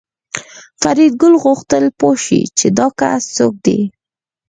فریدګل غوښتل پوه شي چې دا کس څوک دی